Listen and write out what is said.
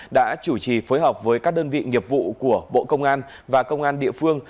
đã chủ trì phối hợp với các đơn vị nghiệp vụ của bộ công an và công an địa phương